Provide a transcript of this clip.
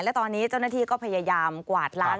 และตอนนี้เจ้าหน้าที่ก็พยายามกวาดล้าง